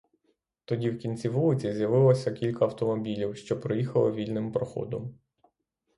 Тоді в кінці вулиці з'явилося кілька автомобілів, що проїхали вільним проходом.